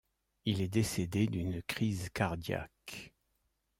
Il est décédé d'une crise cardiaque.